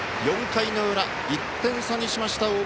４回の裏、１点差にしました。